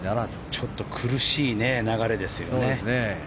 ちょっと苦しい流れですよね。